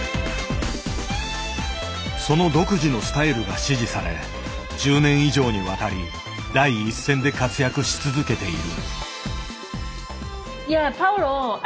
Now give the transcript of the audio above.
その独自のスタイルが支持され１０年以上にわたり第一線で活躍し続けている。